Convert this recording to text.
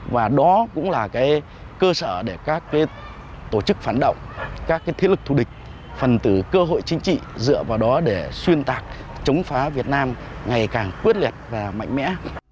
và đó cũng là cơ sở để các tổ chức phản động các thế lực thù địch phần tử cơ hội chính trị dựa vào đó để xuyên tạc chống phá việt nam ngày càng quyết liệt và mạnh mẽ